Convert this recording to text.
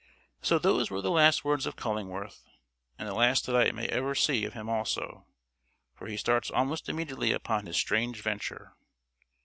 So those were the last words of Cullingworth, and the last that I may ever see of him also, for he starts almost immediately upon his strange venture.